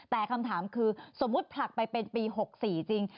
แต่คำถามคือสมมุติผลักไปเป็นปี๖๔จริง